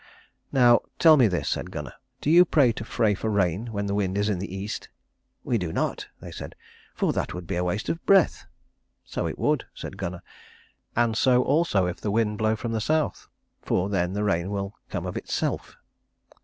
"Now tell me this," said Gunnar; "do you pray to Frey for rain when the wind is in the east?" "We do not," they said, "for that would be waste of breath." "So it would," said Gunnar, "and so also if the wind blow from the south. For then the rain will come of itself."